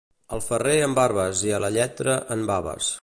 Al ferrer en barbes i a la lletra en baves.